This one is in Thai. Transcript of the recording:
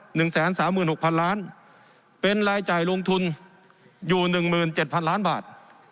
หนึ่งแสนสามหมื่นหกพันล้านเป็นรายจ่ายลงทุนอยู่หนึ่งหมื่นเจ็ดพันล้านบาท